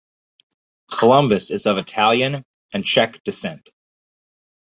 Columbus is of Italian and Czech descent.